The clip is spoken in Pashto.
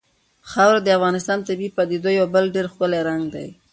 خاوره د افغانستان د طبیعي پدیدو یو بل ډېر ښکلی رنګ دی.